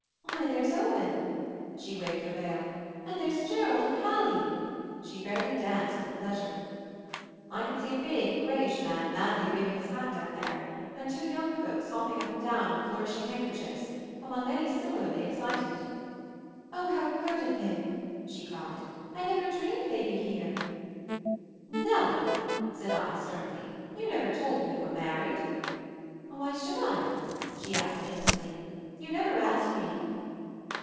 "Why, there's Owen I" she waved her veil. "And there's Jerrold and Hallier She fairly danced with pleasure. "I could see a big grayish man madly waving his hat down there — and two young folks hopping up and down and flourishing handkerchiefs, among many similarly ex cited. "Oh, how good of him!" she cried. "I never dreamed they'd be here !" "Nellie," said I sternly. "You never told me you were married 1" "Why should I?" she asked innocently. "You never asked me."